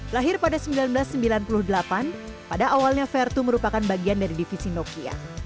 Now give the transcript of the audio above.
lahir pada seribu sembilan ratus sembilan puluh delapan pada awalnya vertu merupakan bagian dari divisi nokia